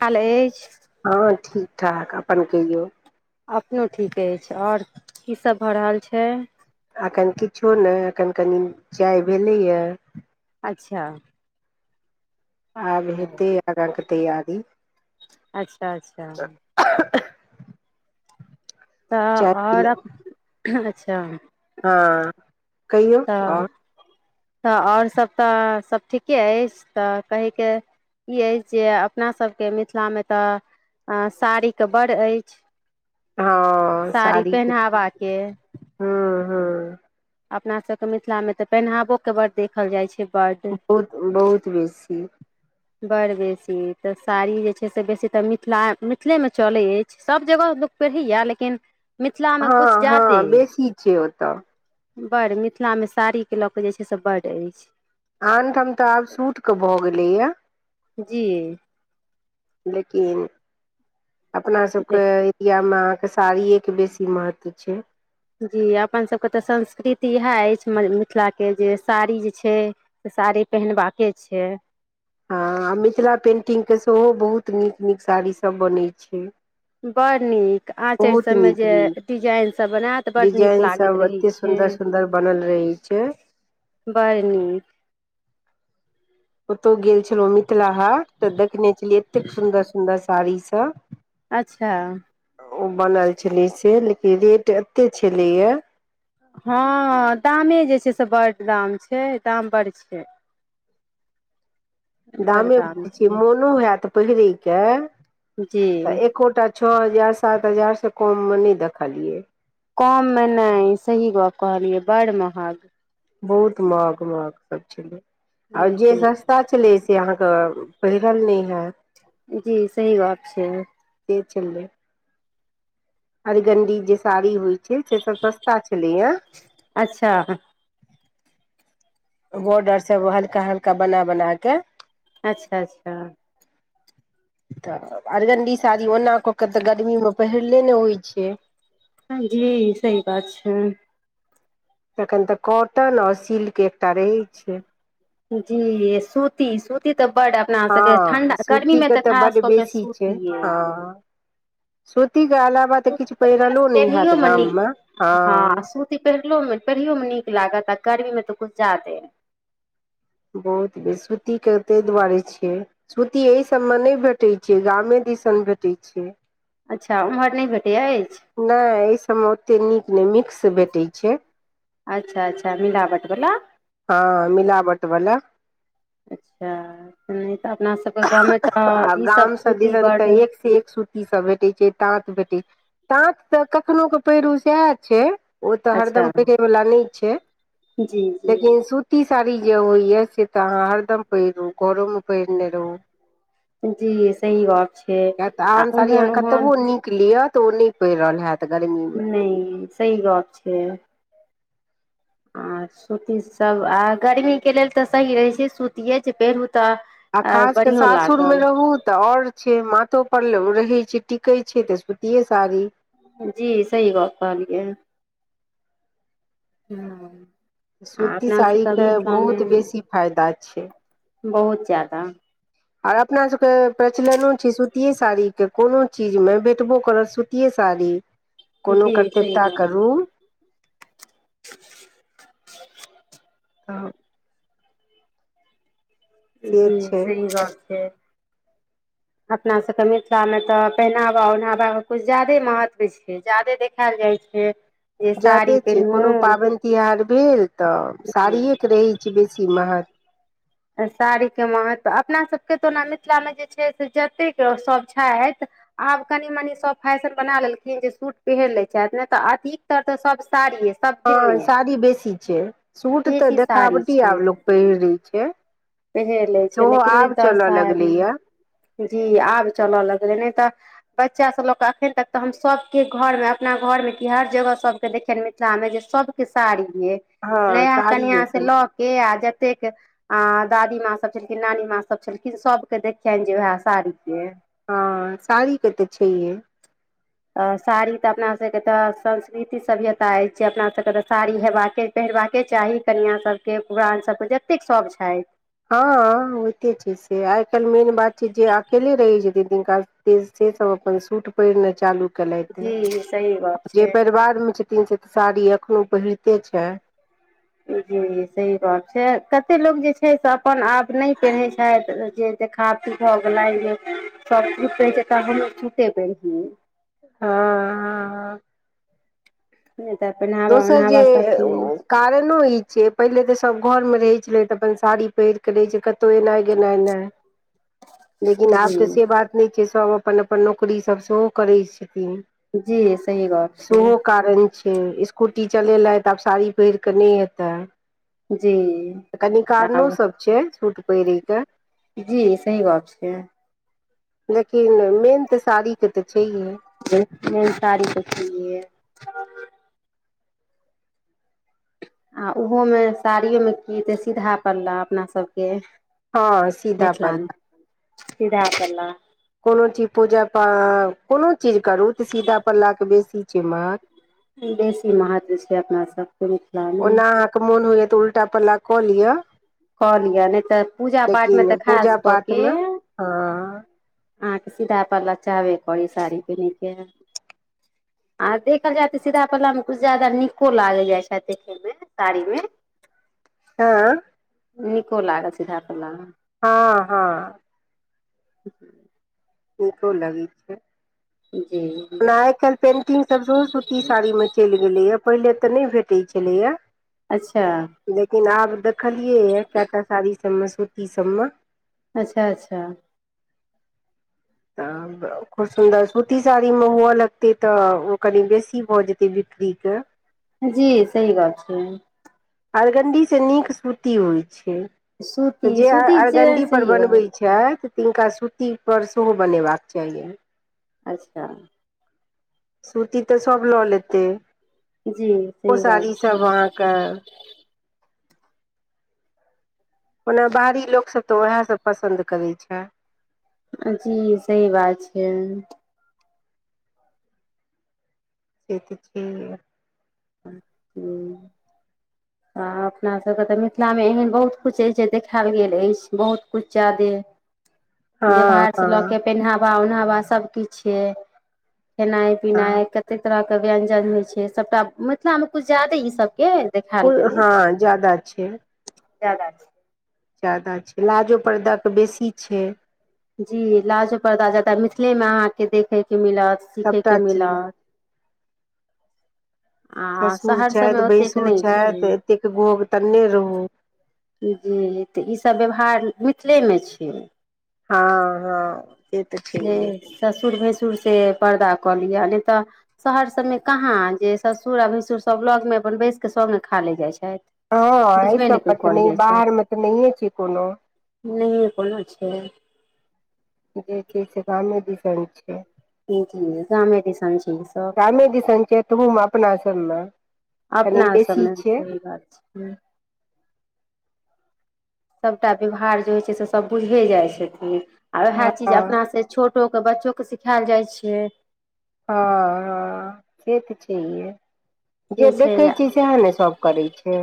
College हँ ठीक ठाक अपन कहियौ अपनो ठीक अछि छै आओर कीसभ भऽ रहल छै एखन किछो नय एखन कनी चाय भेलैए अच्छा आब हेतै आगा के तैयारी अच्छा अच्छा तऽ चाय पी आओर ल- अच्छा हँ कहियौ तऽ आओर तऽ आओर सभ तऽ सभ ठीके अछि तऽ कहयके ई अछि जे अपनासभके मिथिलामे तऽ आ साड़ीके बड़ अछि हँ साड़ी सारी के पहिनावाके तऽ हँ हुँ अपना सबके मिथिला मे तऽ पहिनावो के बड़ देखल जाइ छै बड्ड बहुत बहुत बेसी बड़ बेसी तऽ साड़ी जे छै से बेसी तऽ मिथिला मिथिलेमे चलै अछि सभ जगह लोक सही या लेकिन मिथिलामे हँ कुछ जादे हँ बेसी छै ओतऽ बड़ मिथिलामे साड़ीके लऽ कऽ जे छै से बड्ड अछि आनठाम तऽ आब सूट के भऽ गेलैया जी लेकिन अपना सबके एरियामे अहाँ के साड़िये के बेसी महत्व छै जी अपनसभके तऽ संस्कृति इएह अछि मिथिलाके जे साड़ी जे छै तऽ साड़ी पहिनबाके छै हँ आ मिथिला पेन्टिंगके सेहो बहुत नीक नीक साड़ीसभ बनैत छै बड़ नीक आंचर बहुत सब मे नीक जे नीक डिजाइन सब बनायत बड़ नीक लागैत खूब रहै एते छै सुन्दर सुन्दर बनल रहै छै बड़ नीक ओतौ गेल छलौं मिथिला हाट तऽ देखने छलियै एतेक सुन्दर सुन्दर साड़ी सब अच्छा ओ बनल छली से लेकिन रेट एते छलेया हँ दामे जे छै से बड़ दाम छै दाम बड़ छै [inaudible] बड़ दामे दाम बड्ड छै मोनो हैत पहिरेके तऽ जी एकोटा छौ हजार सात हजार से कोममे नय देखलियै कोम मे नय सही गप कहलियै बड़ महग बहुत महंग महंग सब छेलै आर जे जी सस्ता छलै से अहाँके पहिरल नय हैत। जी सही बात छै के छेलै अरगण्डी जे साड़ी होइत छै से सब सस्ता छलैए अच्छा बोर्डरसब हल्का हल्का बना बना कऽ अच्छा अच्छा तऽ अरगणडी साड़ी ओना कऽ के तऽ गर्मीमे पहिरले नहि होइत छै हँ जी सही बात छै तखन तऽ कॉटन आओर सिल्क एकटा रहै छै जी सूती सूती तऽ बड अपना सबके हँ ठंडा गर्मी मे सूतीके तऽ खास बड्ड कऽ के बेसी छै सूतिये हँ सूतीके अलावा तऽ सूती किछु हमरा पहिरलो नहि हैत गाममे हँ पेरलो मे पढ़िययो मे नीक लागत आ गर्मी मे तऽ कछु जादे बहुत बे सूतीके ताहि दुआरे छियै सूती एहिसभमे नहि भेटैत छैै गामे दिसन भेटैत छै अच्छा ओम्हर नहि भेटैत अछि नहि एहि सभमे ओतेक नीक नहि मिक्स भेटै छै अच्छा अच्छा मिलावट बला हँ मिलावट बलाा अच्छा नहि तऽ अपना सबके गाम में आ तऽ ई सब गाम सूति दिसन बड़ एक सऽ एक सू इ सब भेटैत छै ताँत भेटै छै ताँत तऽ कखनो कऽ पहिरू सएह छै ओ तऽ अच्छा हरदम परे वालला नहि छै जी जी लेकिन सुत सुती साड़ी जे होइ या से तऽ अहाँ हरदम पहिरु घरो में पहिरने रहु जी सही गप छै कियाकि आ आन साड़ी ओहन आहाँ ओहन कतबो निक लिय तऽ नऽ पहिरहल हैत गर्मी मे नहि सही गप छै आ सूतीसभ आ गर्मीके लेल तऽ सही रहैत छै स सुतिए जे पेहरू तऽ आ खास कर बढ़ियो सासुर मऽ लागल रहू तऽ और छै माथो पर रहे छै टिके छै ते सुूते साड़ी जी सही बात कहलियै हू सूती साड़ी के बहुत बेसी फायदा छै। बहुत ज्यदा आर अपना सबके प्रचलनो छै सुतीेये साड़ी के। कोनो चीज में भेटबो करत सुतीेये साड़ी। कोनो जी सही कर्तव्यता गप करू [unintelligible] से जी छै सही गप छै। अपना सबके मिथिला में तऽ पहिनावा ओढावा कऽ कुछ जादे महत्व छै। जादे देख खायल जाइ छै। जे जादे साड़ी छिये। पेन्हू कोनो पाबनि तिहार भेल तऽ जी साड़िए के रहैत छै बेसी महत्व। साड़ी के महत्व अपना सभके तऽ ओना मिथिलामे जे छै से जतेक सभ छैथ। आब कनि मनी सब फैशन बना लेलखिन जे सूट पेहन लै छथ नै तऽ अधिकतर तऽ सब साड़िये। सब हँ दिने साड़ी बेसी छै। सूट तऽ बेसी साड़ी देखावटी आब लोक पहिरै छै। पेहेर लै छै सेहो लेकिन नहि आब तऽ चलऽ साड़ी, लगलैया जी आब चलऽ लगलै नहि तऽ बच्चा सब लोग कऽ अखीन तक तऽ हम सबके घर में अपना घर में कि हर जगह सबके देखियनि मिथिलामे जे सब, साड़ीये। हँ नया साड़ी कनिया के से लऽ के आ जतेक, आऽ दादी माँ सब छेलखिन, नानी माँ सब छेलखिन, सबके देखियनि जे उहै साड़ीये। हँ साड़ी के तऽ छैहे। अ साड़ी तऽ अपना स के तऽ संस्कृति सभ्यता अछि। से अपना सभके तऽ साड़ी हेबाके, पहिरबाके चाही, कनियाँ सभके, पुरान सभके जतेक सब छै। हँ होइते छै से। आइ काल्हि मेन बात छै जे अकेले रहि जेतै जिनका से सब अपन सूट पहिरनाय चालू केलथि। जी सही गप जे छै परिवार मे छथिन से, साड़ी एखनो पहिरते छै। जी जी सही बात छै। कते लोक जे छै से अपन आप नय पेरहै छैथ जे, देखावटी भऽ गेलै जे सब सूट पहिरे छै तऽ हमहूँ सूटे पहीरेति। हँ हँ नहि तऽ पेनावा दोसर जे ओनावा सब चीज। कारणो ई छै, पहिले तऽ सभ घरमे रहैत छलै तऽ अपन साड़ी पहिर कऽ रहैत छै, कतहु एनाइ गेनाइ नै। लेकिन जी आब तऽ से बात, नय छै। सभ अपन अपन नौकरी सभ सेहो करैत छथिन। जी, सहीये गप्प सेहो छै। कारण छै, स्कूटी चलेलैथ तऽ अब साड़ी पहिर कऽ नय हेतै। जी कनी तऽ कारणो आब सब छै सूट पहिरे के। जी सही गप्प छै। लेकिन मेन तऽ साड़ी के तऽ छैहे। मेन सारी तऽ छैहे। आ उहो मे साड़ियो मे की हेतै सीधा पल्ला अपना सभके। हँ सीधा मिथिला मे पल्ला सीधा पल्ला। कोनो चीज, पूजा पाठ, कोनो चीज करू तऽ सीधा पल्ला के बेसी छै महत्व। बेसी महत्व छै अपना सबके। मिथिलामे ओना अहाँ के मोन होइए तऽ उल्टा पल्ला कऽ लिअ। कऽ लिए। नय तऽ पूजा पाठ मे तऽ लेकिन खास पूजा कऽ के, पाठमे हँ अहाँ के सीधा पल्ला चाहबे करी, साड़ी पेनहै के। आ देखल जाय तऽ सीधा पल्ला मे कुछ ज्यादा नीको लागय जाय छैथ देखै मे। सारी मे। ऐं नीको लागत सीधा पल्ला हँ हँ [inaudible] [unintelligible] भुखो लगै छै। जी ओना आइ काल्हि पेन्टिंग सभ सेहो सूती साड़ी मे चलि गेलैय। पहिले तऽ नहि भेटैत छलैए। अच्छा लेकिन आब देखलियै ये कएटा साड़ी सभमे सूती सभमे अच्छा अच्छा तब खूब सुन्दर सूती साड़ी मे हुअ लगतै तऽ ओ कनी बेसी भऽ जेतै बिक्री के जी सही बात छैै। अरगण्डीसँ नीक सूती होइ छै तऽ सूती जे सूती जे अरगण्डी पर सही बनबै गप छथि तिनका सूती पर सेहो बनेबाक चाहियनि अच्छा सूती तऽ सभ लऽ लेते जी ओ सही बात साड़ी सभ छै अहाँक ओना बाहरी लोकसभ तऽ ओएह सभ पसन्द करै छै जी सही बात छै से तऽ छै हे हूं आ अपना सभ के तऽ मिथिला मे एहन बहुत किछ अछि जे देखायल गेल अछि बहुत किछ जादे हँ व्यवहार से लऽ हँ के पेनहावा उनहावा सब किछे खेनाइ हँ पिनाइ क ते तरह के व्यञ्जन होइ छै सभटा मिथिला मे कुछ जादे ई सभके हँ जादा छै जादा छै जादा छै लाजो परदा तऽ बेसी छै जी लाजो पर्दा जादा मिथिले मे अहाँके देखय के मिलत सीखय के सभटा चीज मिलत आ ससुर शहर छथि सबमे ओतेक भैंसुर नहि छै छथि एतेक घोग तनने रहू जी तऽ ई सभ व्यवहार मिथिले मे छै हँ हँ से तऽ जे छैहे ससुर भैंसुर से पर्दा कऽ लिअ नय तऽ शहर सभ मे काहाँ जे ससुर आ भैंसुर सभ लग मे अपन बैस के सभ ने खा लय जाय छथि हँ ऐह बुझबे सभ नहि कोइ पर त कर नय जाइ बाहर मे तऽ नहिए छै कोनो नहिये कोनो छै जे छै से गामे दीसन छै गामे दिसन छै ई सभ गामे दिसन के तहूमे अपना सभ मे अपना सभ मे सही बात छै सभटा व्यवहार जे होइ छै से सभ बुझिये जाइ छथिन आ वएह हँ चीज हँ अपना से छोटो के बच्चो के सिखायल जाइ छियै हँ हँ से तऽ छहिये जे देखै छी सएहे ने सभ करै छै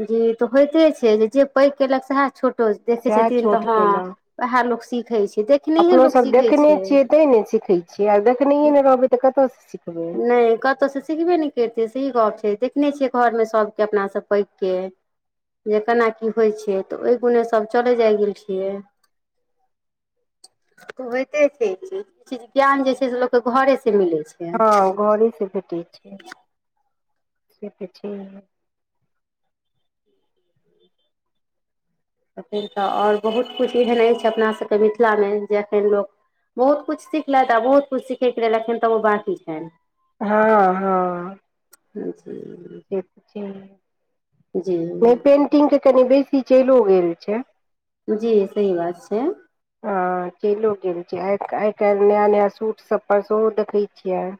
जी तऽ होइते छै जे जे पैघ कयेलक सएह छोटो देखै सएह छथिन तऽ छोट हँ केलहुँ वएह लोक सीखै छै देख अपनो सभ देखने छियै तैं ने सीखै छियै आ देखने नय रहबै तऽ कतयसँ सिखबै नय कतौह से सिखबे ने करतेै सही गप छै देखने छियै घर मे सबके अपना सं पैघ के जे केना की होइ छै तऽ ओहि गुणे सब चलै जाय गेल छियै होयइते छै ई चीज ई चीज ज्ञान जे छै से लोक के घरे से मिलै छै हँ घरे से भेटै छै से तऽ छैहे [inaudible] एखन तऽ आओर बहुत किछु एहन अछि अपना सभ के मिथिला मे जे एखन लोक बहुत कुछ सिखलथि आ बहुत कुछ सिखयके लेल एखन तबोऽ बाकी छनि हँ हँ अछ [unintelligible] से तऽ छैहे नय जी पेन्टिंग के कनि बेसी चैलो गेल छै जी सही बात छै हँ चैलो गेल छै आइ आइ काल्हि नया नया सूट सभ पर सेहो देखै छियै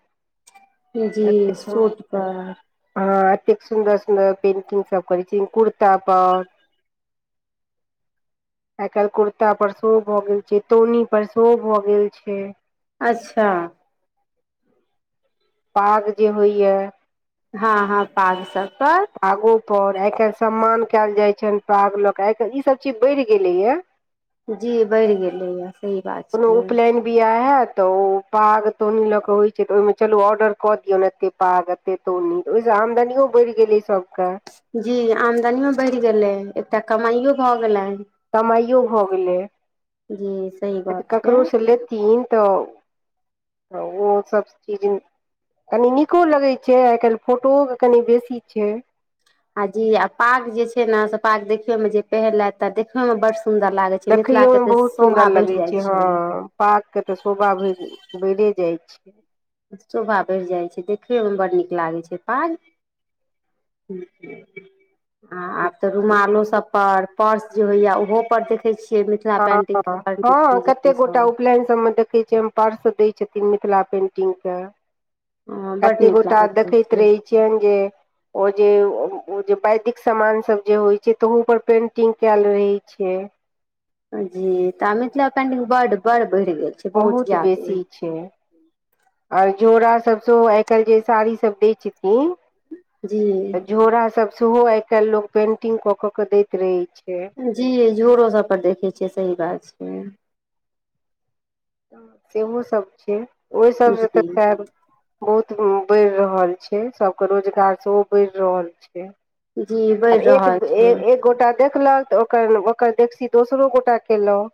जी एते सूट सुन्दर पऽ हँ अतेक सुन्दर सुन्दर पेंटिंग सब करै छी कुर्ता पऽ [unintelligible] आई काल्हि कुर्ता पर सेहो भऽ गेल छै तौनी पर सेहो भऽ गेल छै अच्छा पाग जे होइया हँ हँ पाग सब पऽ आ ओई पर आई काल्हि सम्मान कयल जाय छनि पाग ल के आई काल्हि ई सब चीज बढ़ि गेलैया जी बढ़ि गेलैया सही बात कोनो छै उपलनि बियाह हयत तऽ ओ पाग तौनी लऽ के होइ छैऽ ओहिमे चलू ऑर्डर कऽ दियौ एते पाग ओत्ते तौनी ओहिसँ आमदनीयो बढ़ि गेलै सबके जी आमदनियो बढ़ि गेलै एकटा कमाइो भऽ गेलनि कमाइयो भऽ गेलै जी सही गप छै ककरो से लेथिन तऽ त ओ सब चीज कनी नीको लगै छै आइ काल्हि फोटोओे कनि बेसी छै आ जी आ पाग जे छै ने से पाग देखे मे जे पहिरलत त देखे मे बड सुंदर लागैछ देखैयो मे बहुत सुन्दर लगे छै हँ पाग के तऽ शोभा भ बैरे जाय छै शोभा बढ़ि जाइ छै देखय मे बड्ड नीक लागति छै पाग ह आ आब तऽ छै रूमालो सब पर पर्स जे होइया ओहो पर देखे छियै मिथिल हँ हँ कते गोटा उपनयन सभ मे देखै छियनि पर्श दय छथिन मिथिला पेंटिंग के सब बड कते नीक गोटा लागैत देखति रहै छियनि जे ओ जे ओ जे वैदिक सामान सभ जे होइ छै तहू पर पेन्टिंग केऽल रहै छै जी तऽ मिथिला पेंटिंग बड बड़ बढ़ि गेल छै बहुत बेसी ज्यादे छै आर झोड़ा सब सेहो आइ काल्हि जे साड़ी सब दय छथिन जी झोरा सब सेहो आई काईल लोग पेंटिंग क क दति रहै छै जी झोरो सब पर देखै छियै सही बात छै सेहो सभ छै ओहि सभसँ जी तऽ [unintelligible] बहुत बढ़ि रहल छै सबके रोजगार सेहो बढ़ि रहल छै जी बढ़ि आब एक रहल छै एक गोटा देखलक तऽ ओकर ओकर देखसी दोसरो गोटा केलऽ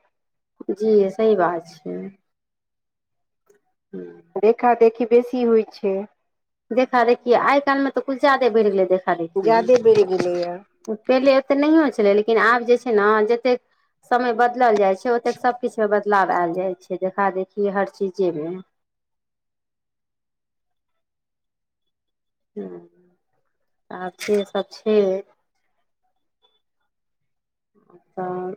जी सही बात छय हूँ देखा देखी बेसी होइ छै देखा देखि आइ काल्हि मे तऽ कुछ जादे बढ़ि गेलै देखा देखि ज्यादे बढ़ि गेलैया पेहले ओतेक नयहो छलै लेकिन आब जे छै ने जते समय बदलल जाय छै ओते सब किछ मे बदलाव आयल जाय छै देखा देखी हर चीजे मे ह आ से सब छियै हं